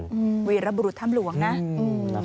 อืมมวีรบรุธธรรมหลวงนะ